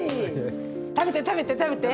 食べて食べて食べて！